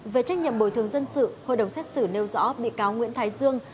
về trách nhiệm bồi thường dân sự hội đồng xét xử nêu rõ bị cáo nguyễn thái dương